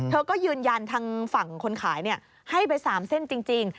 เธอก็ยืนยันทางฝั่งคนขายให้ไป๓เส้นจริง